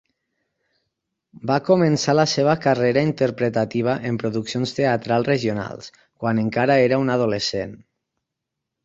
Va començar la seva carrera interpretativa en produccions teatrals regionals, quan encara era un adolescent.